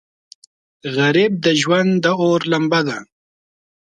غریب د ژوند د اور لمبه ده